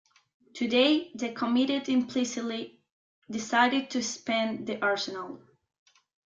Today the committee implicitly decided to extend the arsenal.